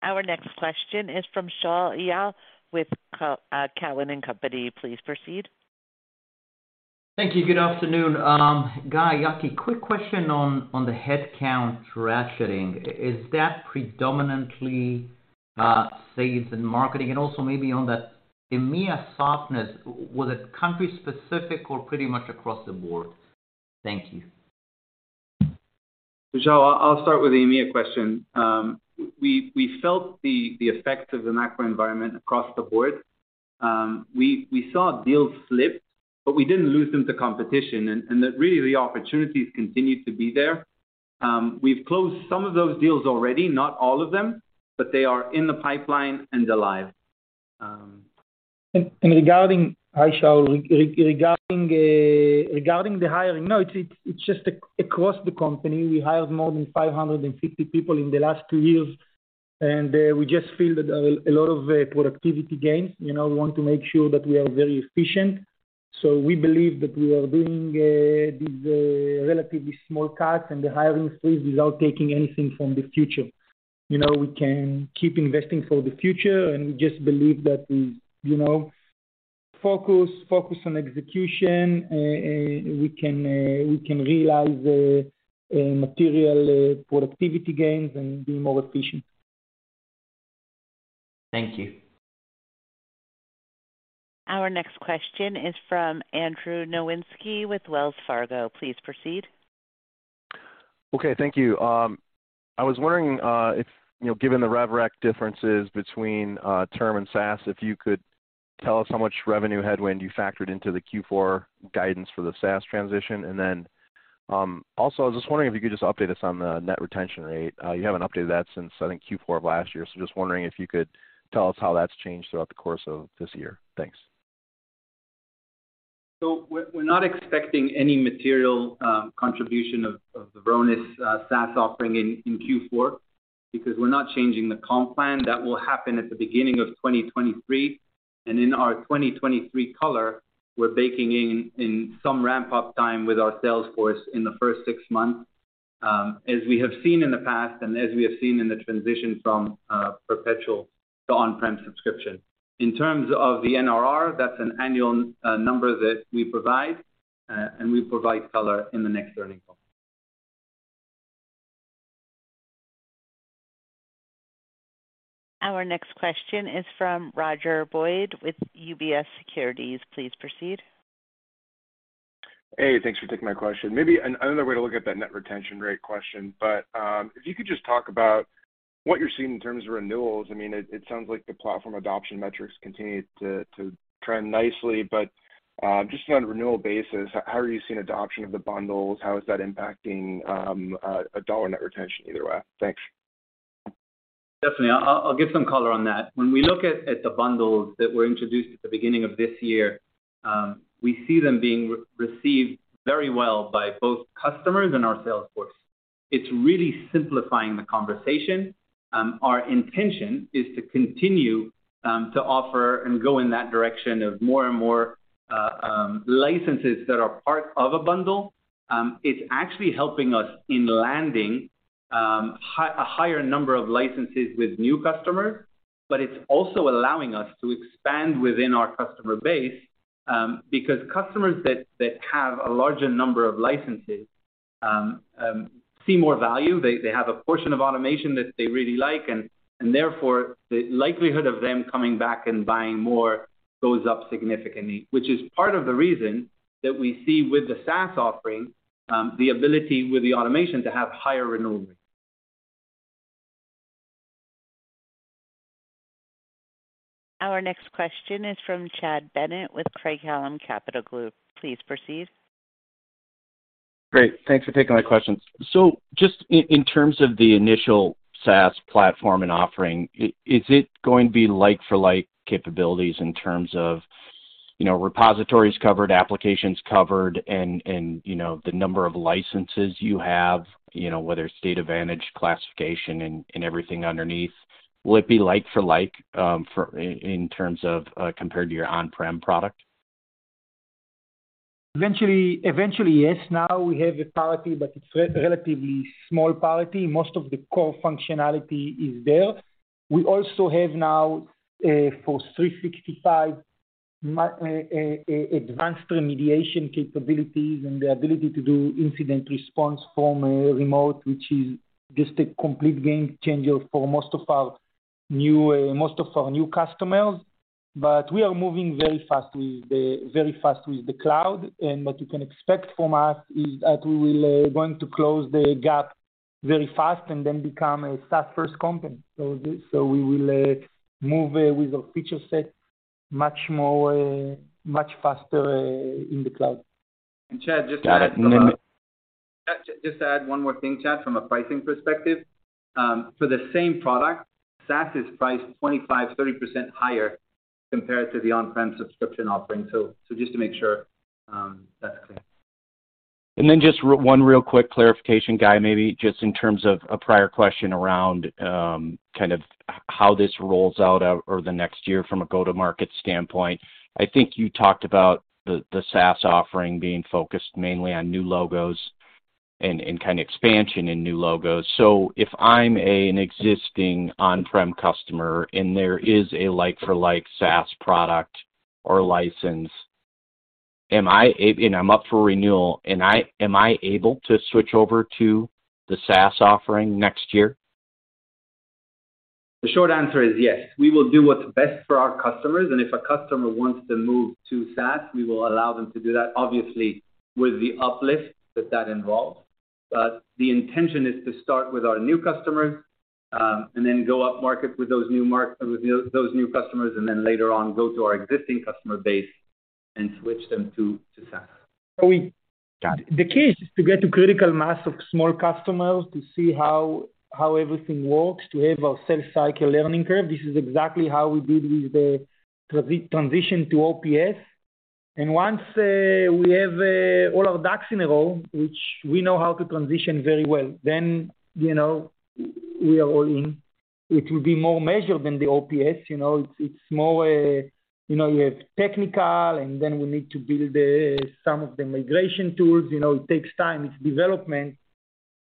Our next question is from Shaul Eyal with Cowen and Company. Please proceed. Thank you. Good afternoon. Guy, Yaki, quick question on the headcount ratcheting. Is that predominantly sales and marketing? Also maybe on the EMEA softness, was it country-specific or pretty much across the board? Thank you. Shaul, I'll start with the EMEA question. We felt the effects of the macro environment across the board. We saw deals slip, but we didn't lose them to competition. That really the opportunities continued to be there. We've closed some of those deals already, not all of them, but they are in the pipeline and they're live. Hi, Shaul. Regarding the hiring, no, it's just across the company. We hired more than 550 people in the last two years. We just feel that a lot of productivity gains, you know, we want to make sure that we are very efficient. We believe that we are doing these relatively small cuts and the hiring freeze without taking anything from the future. You know, we can keep investing for the future, and we just believe that, you know, focus on execution. We can realize a material productivity gains and be more efficient. Thank you. Our next question is from Andrew Nowinski with Wells Fargo. Please proceed. Okay, thank you. I was wondering if, you know, given the revenue recognition differences between term and SaaS, if you could tell us how much revenue headwind you factored into the Q4 guidance for the SaaS transition? And then, also, I was just wondering if you could just update us on the net retention rate. You haven't updated that since, I think, Q4 of last year. Just wondering if you could tell us how that's changed throughout the course of this year. Thanks. We're not expecting any material contribution of the Varonis SaaS offering in Q4 because we're not changing the comp plan. That will happen at the beginning of 2023. In our 2023 color, we're baking in some ramp-up time with our sales force in the first six months, as we have seen in the past, and as we have seen in the transition from perpetual to on-prem subscription. In terms of the NRR, that's an annual number that we provide, and we provide color in the next earnings call. Our next question is from Roger Boyd with UBS Securities. Please proceed. Hey, thanks for taking my question. Maybe another way to look at that net retention rate question, if you could just talk about what you're seeing in terms of renewals. I mean, it sounds like the platform adoption metrics continue to trend nicely. Just on a renewal basis, how are you seeing adoption of the bundles? How is that impacting a dollar net retention either way? Thanks. Definitely. I'll give some color on that. When we look at the bundles that were introduced at the beginning of this year, we see them being received very well by both customers and our sales force. It's really simplifying the conversation. Our intention is to continue to offer and go in that direction of more and more licenses that are part of a bundle. It's actually helping us in landing a higher number of licenses with new customers, but it's also allowing us to expand within our customer base, because customers that have a larger number of licenses see more value. They have a portion of automation that they really like, and therefore, the likelihood of them coming back and buying more goes up significantly, which is part of the reason that we see with the SaaS offering, the ability with the automation to have higher renewal rates. Our next question is from Chad Bennett with Craig-Hallum Capital Group. Please proceed. Great. Thanks for taking my questions. Just in terms of the initial SaaS platform and offering, is it going to be like for like capabilities in terms of, you know, repositories covered, applications covered, and you know, the number of licenses you have, you know, whether it's DatAdvantage classification and everything underneath? Will it be like for like in terms of compared to your on-prem product? Eventually yes. Now we have a parity, but it's relatively small parity. Most of the core functionality is there. We also have now for Microsoft 365 advanced remediation capabilities and the ability to do incident response from a remote, which is just a complete game changer for most of our new customers. We are moving very fast with the cloud, and what you can expect from us is that we will want to close the gap very fast and then become a SaaS-first company. We will move with a feature set much more much faster in the cloud. Chad, just to add- Got it. Just to add one more thing, Chad, from a pricing perspective. For the same product, SaaS is priced 25%-30% higher compared to the on-prem subscription offering. So just to make sure, that's clear. Then just one real quick clarification, Guy, maybe just in terms of a prior question around kind of how this rolls out over the next year from a go-to-market standpoint. I think you talked about the SaaS offering being focused mainly on new logos and kind of expansion in new logos. So if I'm an existing on-prem customer and there is a like-for-like SaaS product or license, and I'm up for renewal, am I able to switch over to the SaaS offering next year? The short answer is yes. We will do what's best for our customers, and if a customer wants to move to SaaS, we will allow them to do that, obviously with the uplift that that involves. The intention is to start with our new customers, and then go upmarket with those new customers, and then later on, go to our existing customer base and switch them to SaaS. We-- Got it. The key is to get to critical mass of small customers to see how everything works, to have a sales cycle learning curve. This is exactly how we did with the transition to OPS. Once we have all our ducks in a row, which we know how to transition very well, then, you know, we are all in. It will be more measured than the OPS, you know. It's more, you know, you have technical, and then we need to build some of the migration tools. You know, it takes time. It's development.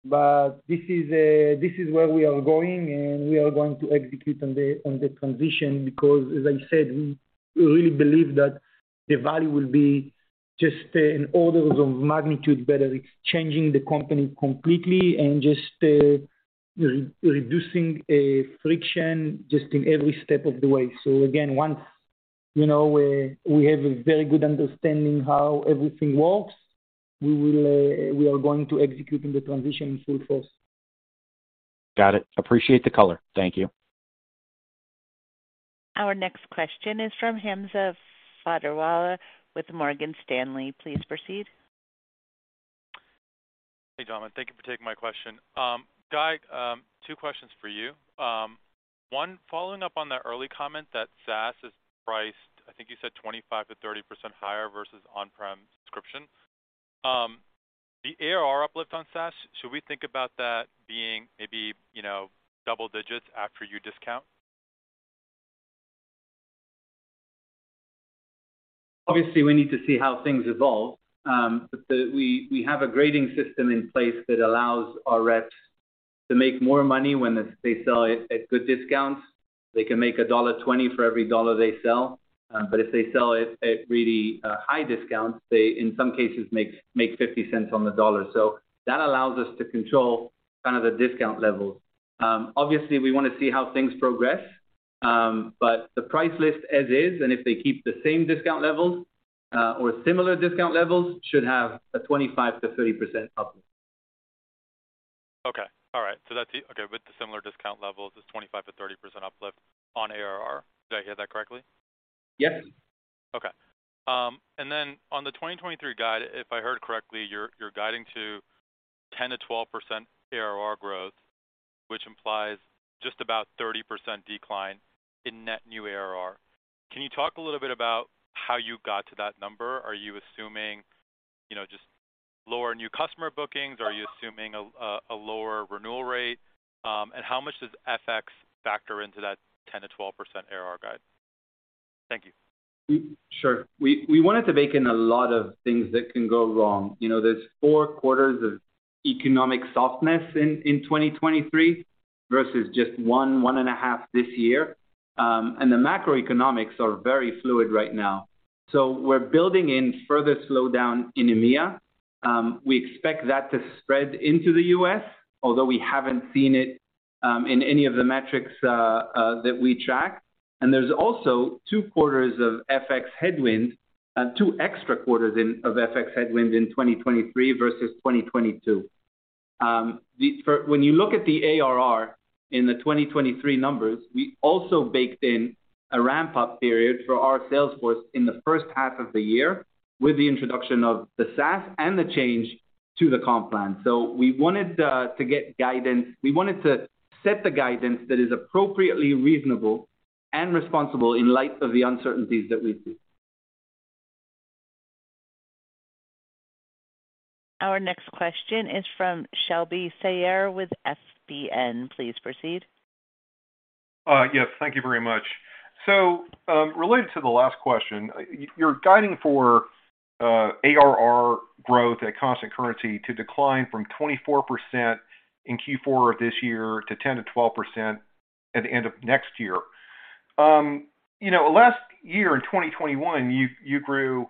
This is where we are going, and we are going to execute on the transition because, as I said, we really believe that the value will be just in orders of magnitude better, changing the company completely and just re-reducing friction just in every step of the way. Again, once you know, we have a very good understanding how everything works, we are going to execute on the transition in full force. Got it. Appreciate the color. Thank you. Our next question is from Hamza Fodderwala with Morgan Stanley. Please proceed. Hey, gentlemen. Thank you for taking my question. Guy, two questions for you. One, following up on the early comment that SaaS is priced, I think you said 25%-30% higher versus on-prem subscription. The ARR uplift on SaaS, should we think about that being maybe, you know, double digits after you discount? Obviously, we need to see how things evolve. We have a grading system in place that allows our reps to make more money when they sell it at good discounts. They can make $1.20 for every dollar they sell. If they sell it at really high discounts, they in some cases make fifty cents on the dollar. That allows us to control kind of the discount levels. We want to see how things progress. The price list as is, and if they keep the same discount levels or similar discount levels, should have a 25%-30% uplift. With the similar discount levels, it's 25%-30% uplift on ARR. Did I hear that correctly? Yes. Okay. On the 2023 guide, if I heard correctly, you're guiding to 10%-12% ARR growth, which implies just about 30% decline in net new ARR. Can you talk a little bit about how you got to that number? Are you assuming, you know, just lower new customer bookings? Are you assuming a lower renewal rate? How much does FX factor into that 10%-12% ARR guide? Thank you. Sure. We wanted to bake in a lot of things that can go wrong. You know, there's four quarters of economic softness in 2023 versus just one and a half this year. The macroeconomics are very fluid right now. We're building in further slowdown in EMEA. We expect that to spread into the U.S., although we haven't seen it in any of the metrics that we track. There's also two quarters of FX headwind, two extra quarters of FX headwind in 2023 versus 2022. When you look at the ARR in the 2023 numbers, we also baked in a ramp-up period for our sales force in the first half of the year with the introduction of the SaaS and the change to the comp plan. We wanted to get guidance. We wanted to set the guidance that is appropriately reasonable and responsible in light of the uncertainties that we see. Our next question is from Shebly Seyrafi with FBN Securities. Please proceed. Yes, thank you very much. Related to the last question, you're guiding for ARR growth at constant currency to decline from 24% in Q4 of this year to 10%-12% at the end of next year. You know, last year in 2021, you grew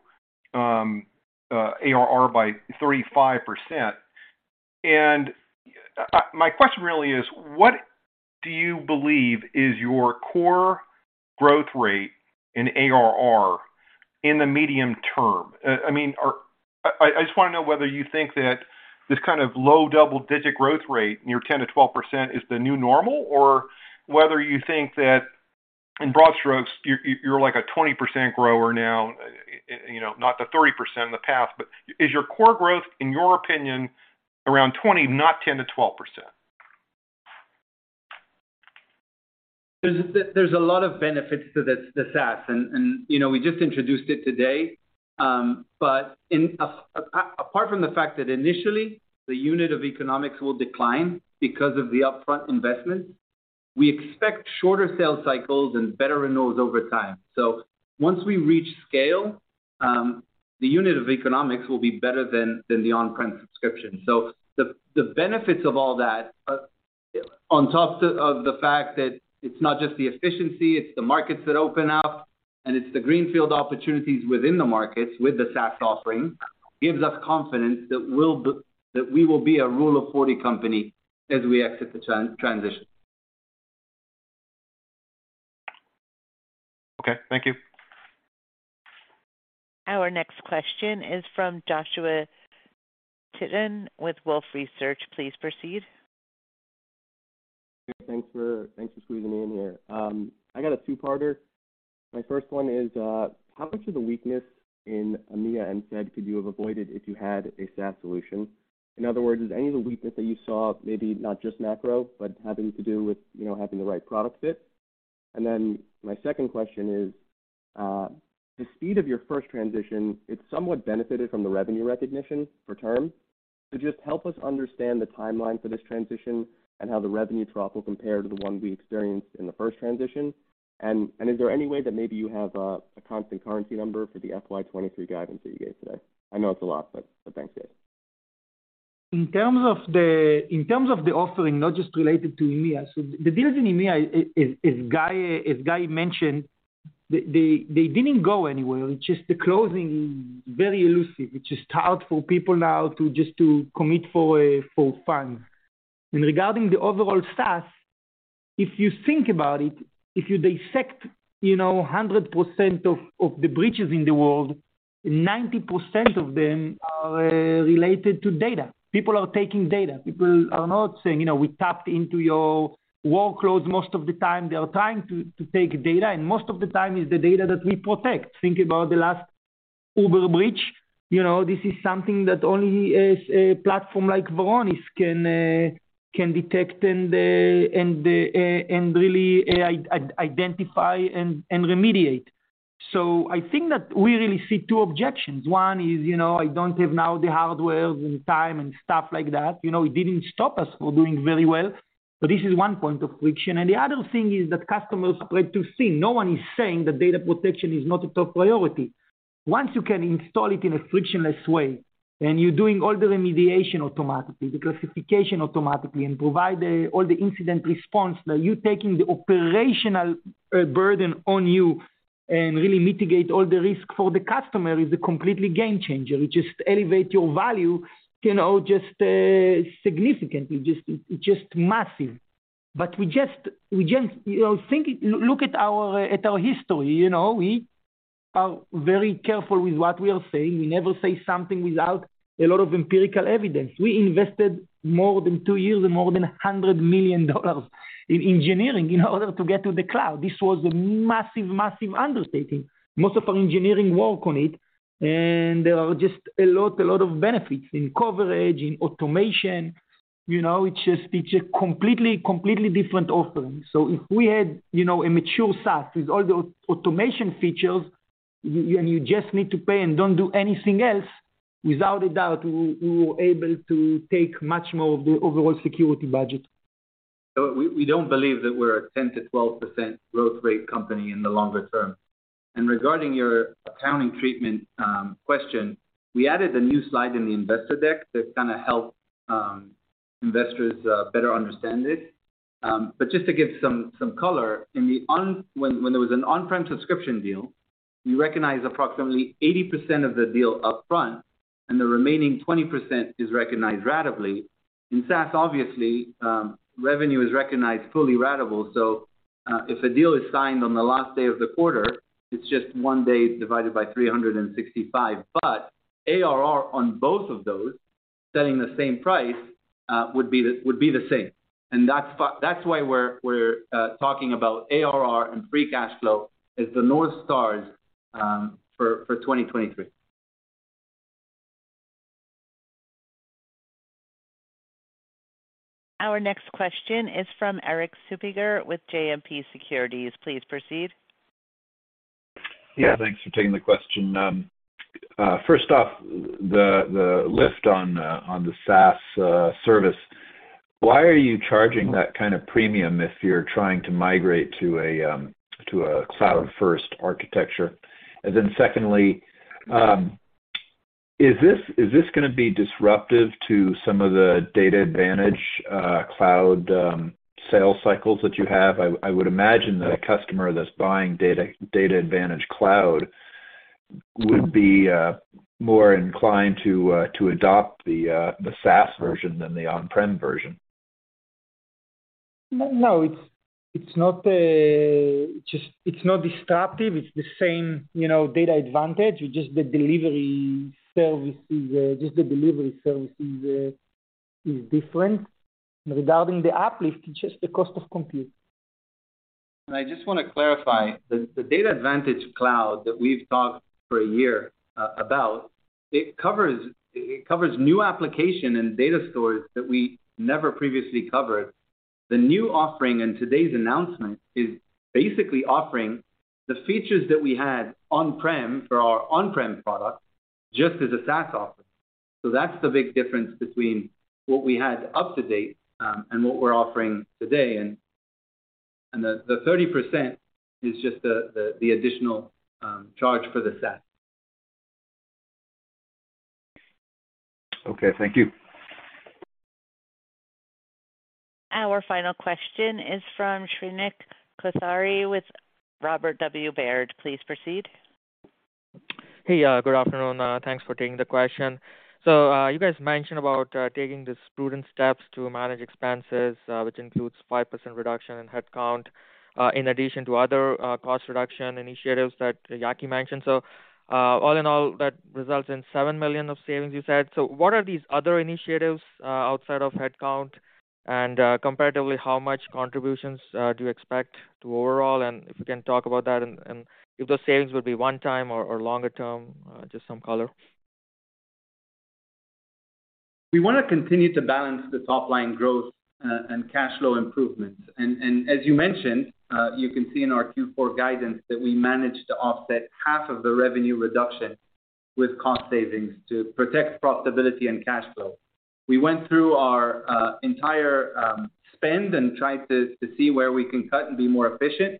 ARR by 35%. My question really is what do you believe is your core growth rate in ARR in the medium-term? I mean, I just wanna know whether you think that this kind of low double-digit growth rate, near 10%-12% is the new normal, or whether you think that in broad strokes, you're like a 20% grower now, you know, not the 30% in the past. Is your core growth, in your opinion, around 20%, not 10%-12%? There's a lot of benefits to the SaaS and, you know, we just introduced it today. But apart from the fact that initially the unit of economics will decline because of the upfront investment, we expect shorter sales cycles and better renewals over time. Once we reach scale, the unit of economics will be better than the on-prem subscription. The benefits of all that, on top of the fact that it's not just the efficiency, it's the markets that open up, and it's the greenfield opportunities within the markets with the SaaS offering, gives us confidence that we will be a rule of 40 company as we exit the transition. Okay. Thank you. Our next question is from Joshua Tilton with Wolfe Research. Please proceed. Thanks for squeezing me in here. I got a two-parter. My first one is, how much of the weakness in EMEA and federal could you have avoided if you had a SaaS solution? In other words, is any of the weakness that you saw maybe not just macro, but having to do with, you know, having the right product fit? My second question is, the speed of your first transition, it somewhat benefited from the revenue recognition for term. Just help us understand the timeline for this transition and how the revenue drop will compare to the one we experienced in the first transition. Is there any way that maybe you have a constant currency number for the FY 2023 guidance that you gave today? I know it's a lot, but thanks, guys. In terms of the offering, not just related to EMEA. The deals in EMEA, as Guy mentioned, they didn't go anywhere. It's just the closing is very elusive, which is hard for people now to commit for fun. Regarding the overall SaaS, if you think about it, if you dissect, you know, 100% of the breaches in the world, 90% of them are related to data. People are taking data. People are not saying, you know, we tapped into your workloads most of the time. They are trying to take data, and most of the time it's the data that we protect. Think about the last Uber breach, you know. This is something that only a platform like Varonis can detect and really identify and remediate. I think that we really see two objections. One is, you know, I don't have now the hardware and time and stuff like that. You know, it didn't stop us from doing very well. This is one point of friction. The other thing is that customers are afraid to see. No one is saying that data protection is not a top priority. Once you can install it in a frictionless way, and you're doing all the remediation automatically, the classification automatically, and provide all the incident response, now you're taking the operational burden on you and really mitigate all the risk for the customer, is a completely game changer. It just elevate your value, you know, just significantly. Just massive. We just. You know, think, look at our history, you know. We are very careful with what we are saying. We never say something without a lot of empirical evidence. We invested more than two years and more than $100 million in engineering in order to get to the cloud. This was a massive understating. Most of our engineering work on it. There are just a lot of benefits in coverage, in automation. You know, it's just a completely different offering. If we had, you know, a mature SaaS with all the automation features, and you just need to pay and don't do anything else, without a doubt, we were able to take much more of the overall security budget. We don't believe that we're a 10%-12% growth rate company in the longer-term. Regarding your accounting treatment question, we added a new slide in the investor deck that's gonna help investors better understand it. But just to give some color, when there was an on-prem subscription deal, we recognized approximately 80% of the deal up front, and the remaining 20% is recognized ratably. In SaaS, obviously, revenue is recognized fully ratable. If a deal is signed on the last day of the quarter, it's just one day divided by 365. But ARR on both of those setting the same price would be the same. That's why we're talking about ARR and free cash flow as the north stars for 2023. Our next question is from Erik Suppiger with JMP Securities. Please proceed. Yeah, thanks for taking the question. First off, the lift on the SaaS service, why are you charging that kind of premium if you're trying to migrate to a cloud-first architecture? Secondly, is this gonna be disruptive to some of the DatAdvantage Cloud sales cycles that you have? I would imagine that a customer that's buying DatAdvantage Cloud would be more inclined to adopt the SaaS version than the on-prem version. No, it's not disruptive. It's the same, you know, DatAdvantage. It's just the delivery service is different. Regarding the app lift, it's just the cost of compute. I just wanna clarify, the DatAdvantage Cloud that we've talked for a year about, it covers new application and data stores that we never previously covered. The new offering in today's announcement is basically offering the features that we had on-prem for our on-prem product just as a SaaS offering. That's the big difference between what we had up to date, and what we're offering today. The 30% is just the additional charge for the SaaS. Okay. Thank you. Our final question is from Shrenik Kothari with Robert W. Baird. Please proceed. Hey, good afternoon. Thanks for taking the question. You guys mentioned about taking the prudent steps to manage expenses, which includes 5% reduction in headcount, in addition to other cost reduction initiatives that Yaki mentioned. All in all, that results in $7 million of savings, you said. What are these other initiatives outside of headcount? Comparatively, how much contributions do you expect to overall? If you can talk about that and if those savings would be one time or longer-term, just some color. We wanna continue to balance the top line growth, and cash flow improvements. As you mentioned, you can see in our Q4 guidance that we managed to offset half of the revenue reduction with cost savings to protect profitability and cash flow. We went through our entire spend and tried to see where we can cut and be more efficient.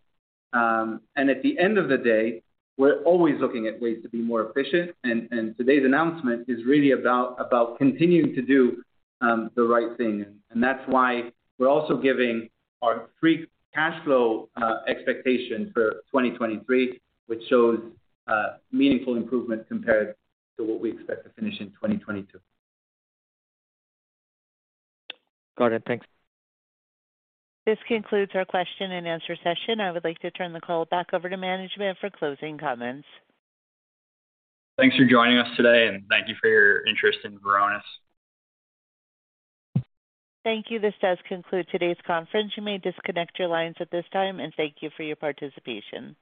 At the end of the day, we're always looking at ways to be more efficient. Today's announcement is really about continuing to do the right thing. That's why we're also giving our free cash flow expectation for 2023, which shows meaningful improvement compared to what we expect to finish in 2022. Got it. Thanks. This concludes our question and answer session. I would like to turn the call back over to management for closing comments. Thanks for joining us today, and thank you for your interest in Varonis. Thank you. This does conclude today's conference. You may disconnect your lines at this time, and thank you for your participation.